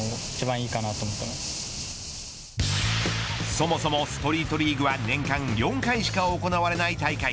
そもそもストリートリーグは年間４回しか行われない大会。